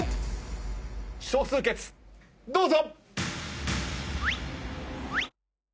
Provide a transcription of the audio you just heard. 少数決どうぞ！